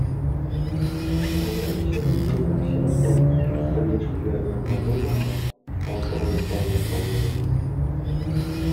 Соңгылары исә бик зур һәм симез булып, бер яшьлекләреннән аерылмаса, алты айлыкларын да чалу ярый.